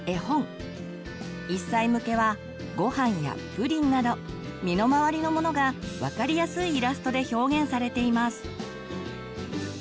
１歳向けは「ごはん」や「プリン」など身の回りのものが分かりやすいイラストで表現されています。